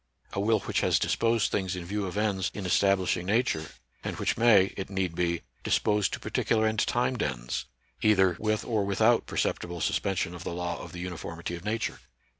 A will which has disposed things in view of ends in establishing Nature, and which may, it need be, dispose to particular and timed ends, either with or without perceptible suspension of the law of the uniformity of Nature.